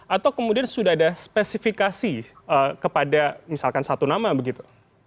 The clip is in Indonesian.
atau kemudian sudah ada spesifikasi kepada misalkan satu nama begitu